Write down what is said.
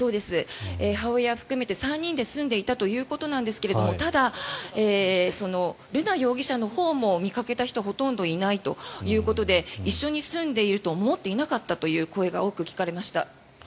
母親含めて３人で住んでいたということですがただ、瑠奈容疑者のほうも見かけた人ほとんどいないということで一緒に住んでいると思っていなかったという声が多く聞かれました。